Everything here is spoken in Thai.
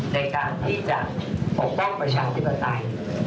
ในการที่จะปกป้องประชาธิปไตย